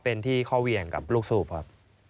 เป็นที่ข้อเหวี่ยงกับลูกสูบครับ